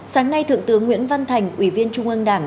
sáng nay thượng tướng nguyễn văn thành ủy viên trung ương đảng